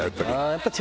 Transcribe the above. やっぱり。